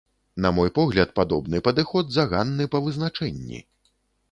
На мой погляд, падобны падыход заганны па вызначэнні.